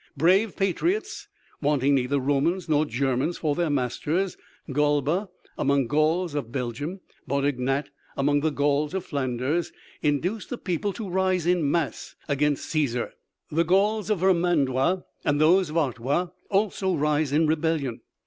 Brave patriots, wanting neither Romans nor Germans for their masters Galba among the Gauls of Belgium, Boddig nat among the Gauls of Flanders induce the people to rise in mass against Cæsar. The Gauls of Vermandois and those of Artois also rise in rebellion.